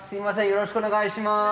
よろしくお願いします。